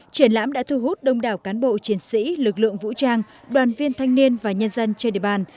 triển lãm đã thu hút đông đảo cán bộ chiến sĩ lực lượng vũ trang đoàn viên thanh niên và nhân dân trên địa bàn